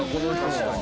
確かに。